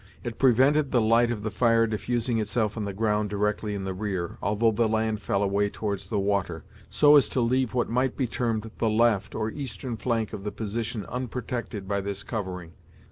It prevented the light of the fire diffusing itself on the ground directly in the rear, although the land fell away towards the water, so as to leave what might be termed the left, or eastern flank of the position unprotected by this covering.